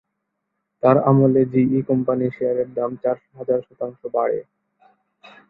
তার আমলে G E কোম্পানির শেয়ারের দাম চার হাজার শতাংশ বাড়ে।